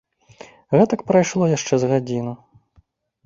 Гэтак прайшло яшчэ з гадзіну.